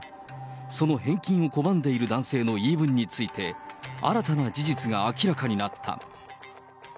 その返金を拒んでいる男性の言い分について、新たな事実が明らかになった。